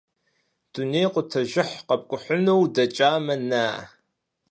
Дунейр къутэжыху къэпкӀухьыну удэкӀамэ, на!